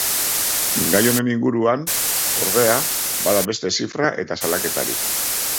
Gai honen inguruan, ordea, bada beste zifra eta salaketarik.